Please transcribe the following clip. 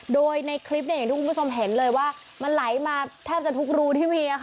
โดยในคลิปอย่างที่คุณผู้ชมเห็นเลยว่ามันไหลมาแทบจะทุกรูที่มี